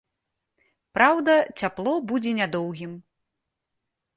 Праўда, цяпло будзе нядоўгім.